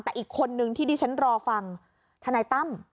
แต่อีกคนนึงที่ดิฉันรอฟังธนายตั้ม